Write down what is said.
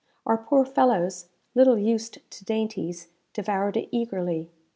Our poor fellows, little used to dainties, devoured it eagerly.